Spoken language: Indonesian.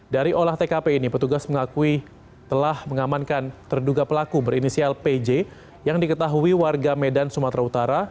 dari olah tkp ini petugas mengakui telah mengamankan terduga pelaku berinisial pj yang diketahui warga medan sumatera utara